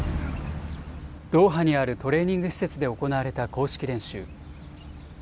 ドーハにあるトレーニング施設で行われた公式練習。